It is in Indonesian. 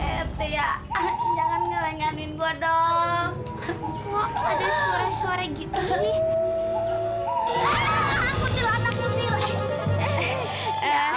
etia jangan ngelenyamin gua dong kok ada suara suara gitu nih